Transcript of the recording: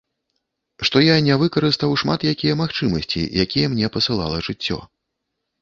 Што я не выкарыстаў шмат якія магчымасці, якія мне пасылала жыццё.